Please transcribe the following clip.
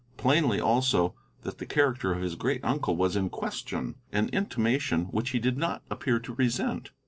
Plainly, also, that the character of his great uncle was in question, an intimation which he did not appear to resent.